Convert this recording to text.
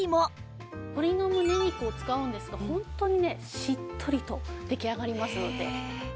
鶏のむね肉を使うんですがホントにねしっとりと出来上がりますので。